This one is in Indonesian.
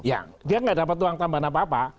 ya dia nggak dapat uang tambahan apa apa